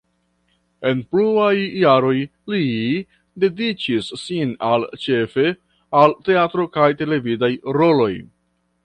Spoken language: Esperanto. En pluaj jaroj li dediĉis sin al ĉefe al teatro kaj televidaj roloj.